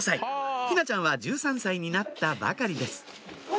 陽菜ちゃんは１３歳になったばかりです